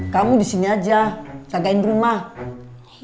kamu di sini aja jagain rumah